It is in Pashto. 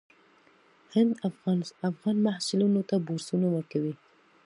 هند افغان محصلینو ته بورسونه ورکوي.